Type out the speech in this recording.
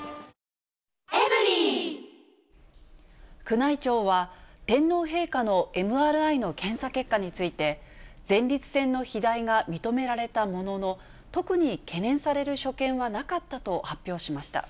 宮内庁は、天皇陛下のＭＲＩの検査結果について、前立腺の肥大が認められたものの、特に懸念される所見はなかったと発表しました。